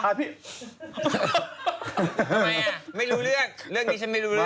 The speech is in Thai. ทำไมอ่ะไม่รู้เรื่องเรื่องนี้ฉันไม่รู้เรื่อง